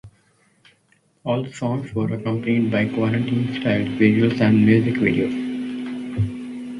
All of the songs were accompanied by "Quarantine Style" visuals and music videos.